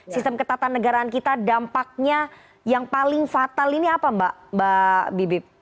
sistem ketatan negaraan kita dampaknya yang paling fatal ini apa mbak bibip